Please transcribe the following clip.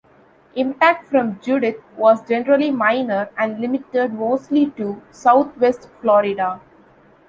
Impact from Judith was generally minor and limited mostly to Southwest Florida.